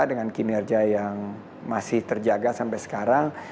dengan kinerja yang masih terjaga sampai sekarang